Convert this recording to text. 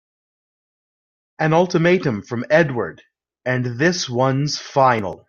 An ultimatum from Edward and this one's final!